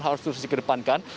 harus terus dikedepankan